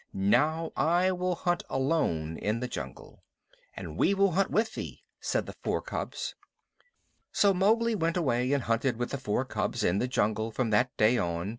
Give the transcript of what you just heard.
"Now I will hunt alone in the jungle." "And we will hunt with thee," said the four cubs. So Mowgli went away and hunted with the four cubs in the jungle from that day on.